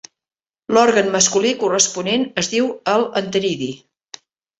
L'òrgan masculí corresponent es diu el anteridi.